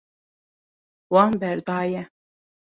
Wan berdaye.